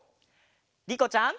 りこちゃん。